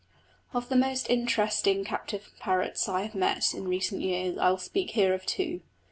Of the most interesting captive parrots I have met in recent years I will speak here of two.